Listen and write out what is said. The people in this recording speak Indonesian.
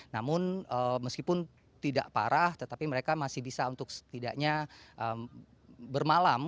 namun meskipun tidak parah tetapi mereka masih bisa untuk setidaknya bermalam